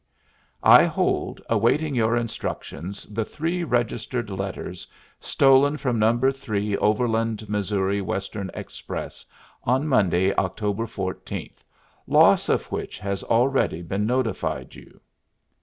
I hold, awaiting your instructions, the three registered letters stolen from No. 3 Overland Missouri Western Express on Monday, October fourteenth, loss of which has already been notified you."